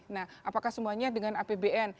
nah apakah semuanya dengan apbn